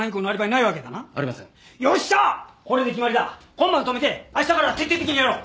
今晩泊めて明日から徹底的にやろう！